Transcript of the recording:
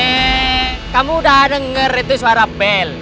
eh kamu udah denger itu suara pel